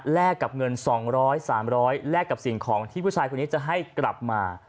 กับเงิน๒๐๐๓๐๐แลกกับสิ่งของที่ผู้ชายคนนี้จะให้กลับมา